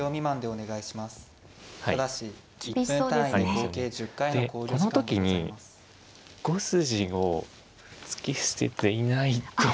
でこの時に５筋を突き捨てていないと。